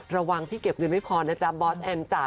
ระวังที่เก็บเงินไม่พอนะจ๊บอสแอนจ๋า